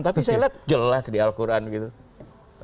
tapi saya lihat jelas di al quran gitu